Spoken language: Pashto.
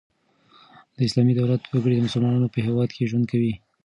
د اسلامي دولت وګړي د مسلمانانو په هيواد کښي ژوند کوي.